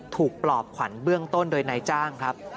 ปลอบขวัญเบื้องต้นโดยนายจ้างครับ